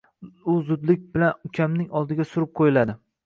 u zudlik bilan ukamning oldiga surib qo'yiladi.